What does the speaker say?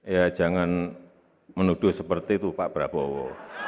ya jangan menuduh seperti itu pak prabowo